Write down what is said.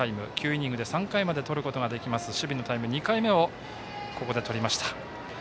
９イニングで３回までとれる守備のタイム２回目をここでとりました。